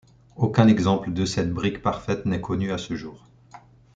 Aucun exemple de cette brique parfaite n’est connu à ce jour.